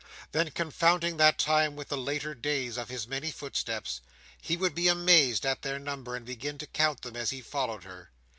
Then, confounding that time with the later days of the many footsteps, he would be amazed at their number, and begin to count them as he followed her.